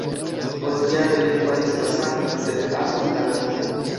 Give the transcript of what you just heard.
Post jaroj li faris la samon, sed apud la Danubo.